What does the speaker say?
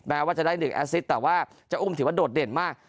ว่าจะได้๑แอสซิตแต่ว่าจะอุ้มถือว่าโดดเด่นมาก